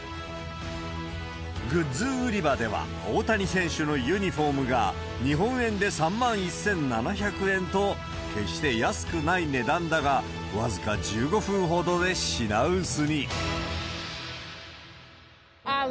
グッズ売り場では、大谷選手のユニホームが日本円で３万１７００円と、決して安くない値段だが、僅か１５分ほどで品薄に。